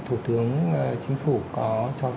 thủ tướng chính phủ có cho các